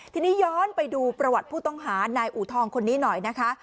ทีนี้ย้อนไปดูประวัติผู้ต้องหานายอูทองคนนี้หน่อยนะคะ